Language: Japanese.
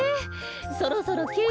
そろそろきゅうけい。